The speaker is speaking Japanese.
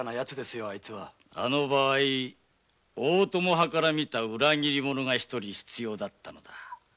あの場合大友派からみた裏切り者が一人必要だったのだ。